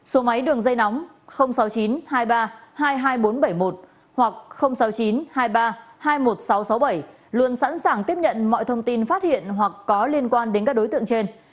số máy đường dây nóng sáu mươi chín hai mươi ba hai mươi hai nghìn bốn trăm bảy mươi một hoặc sáu mươi chín hai mươi ba hai mươi một nghìn sáu trăm sáu mươi bảy luôn sẵn sàng tiếp nhận mọi thông tin phát hiện hoặc có liên quan đến các đối tượng trên